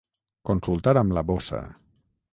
Consultar amb la bossa.